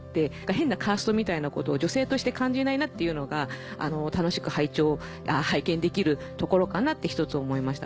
変なカーストみたいなことを女性として感じないなっていうのが楽しく拝見できるところかなって一つ思いました。